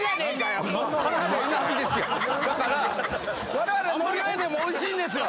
われわれはノルウェーでもおいしいんですよ！